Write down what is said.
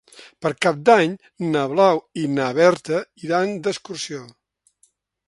Per Cap d'Any na Blau i na Berta iran d'excursió.